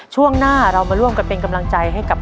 ช่วงหน้าเรามาร่วมกันเป็นกำลังใจให้กับ